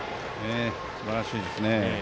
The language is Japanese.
すばらしいですね。